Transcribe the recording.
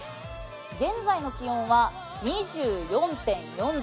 現在の気温は２４．４度。